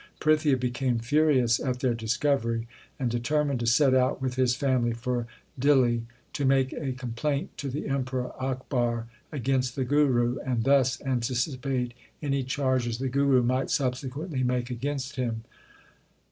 Prithia became furious at their discovery, and determined to set out with his family for Dihli to make a complaint to the Emperor Akbar against the Guru, and thus antici pate any charges the Guru might subsequently make against him.